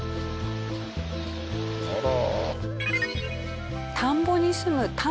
あら。